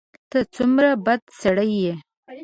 ته څومره بد سړی یې !